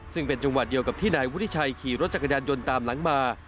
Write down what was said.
ซึ่งเป็นจังหวัดเดียวกับที่นายวุฒิชัยขี่รถจักรยานยนต์ตามหลังมา